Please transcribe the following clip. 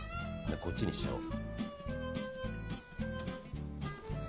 こっちにしちゃおう。